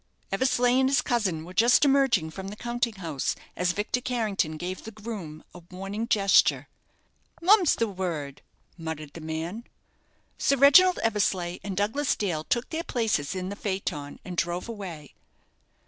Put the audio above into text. Eversleigh and his cousin were just emerging from the counting house, as Victor Carrington gave the groom a warning gesture. "Mum's the word," muttered the man. Sir Reginald Eversleigh and Douglas Dale took their places in the phaeton, and drove away.